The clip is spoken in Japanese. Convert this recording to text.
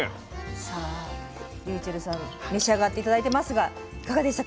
さあｒｙｕｃｈｅｌｌさん召し上がって頂いてますがいかがでした？